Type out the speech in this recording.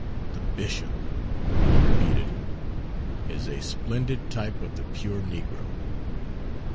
" 'The bishop,' " he repeated, " 'is a splendid type of the pure negro.